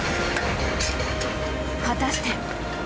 果たして！